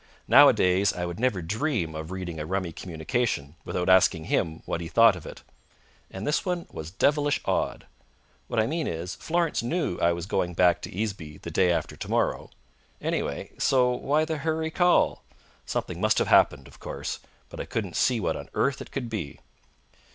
Nowadays I would never dream of reading a rummy communication without asking him what he thought of it. And this one was devilish odd. What I mean is, Florence knew I was going back to Easeby the day after to morrow, anyway; so why the hurry call? Something must have happened, of course; but I couldn't see what on earth it could be.